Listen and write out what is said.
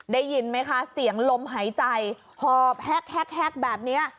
ได้ยินไหมคะเสียงลมหายใจหอบแฮกแบบนี้